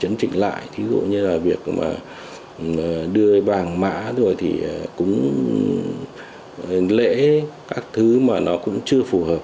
chấn chỉnh lại ví dụ như là việc mà đưa vàng mã rồi thì cũng lễ các thứ mà nó cũng chưa phù hợp